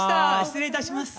失礼いたします。